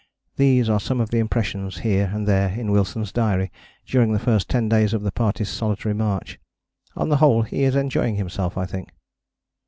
These are some of the impressions here and there in Wilson's diary during the first ten days of the party's solitary march. On the whole he is enjoying himself, I think.